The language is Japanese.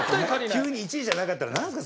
急に１位じゃなかったらなんですか？